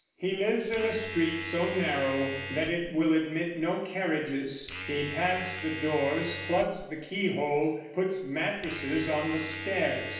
He lives in a street so narrow that it will admit no carriages; he pads the doors; plugs the keyhole; puts mattresses on the stairs.